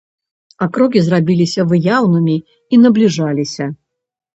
А крокі зрабіліся выяўнымі і набліжаліся.